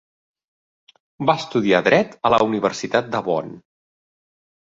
Va estudiar dret a la Universitat de Bonn.